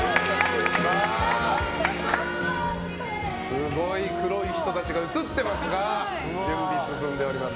すごい黒い人たちが映ってますが準備進んでおります。